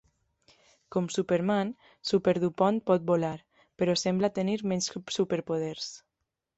Com Superman, Superdupont pot volar, però sembla tenir menys superpoders.